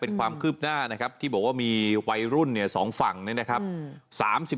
เป็นความคืบหน้านะครับที่บอกว่ามีวัยรุ่น๒ฝั่งเนี่ยนะครับ